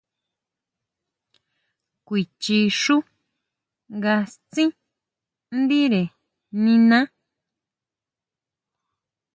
Kuichi xú nga stsin ndire niná.